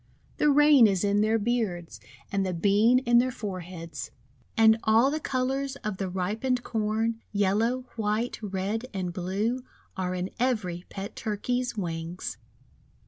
The Rain is in their beards, and the Bean in their foreheads. And all the colours of the ripened Corn — yellow, white, red, and blue — are in every pet Turkey's wings.